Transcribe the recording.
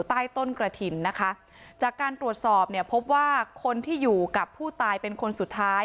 ใต้ต้นกระถิ่นนะคะจากการตรวจสอบเนี่ยพบว่าคนที่อยู่กับผู้ตายเป็นคนสุดท้าย